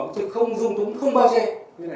tiếp tục phạt rõ